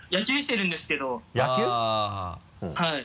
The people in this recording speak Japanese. はい。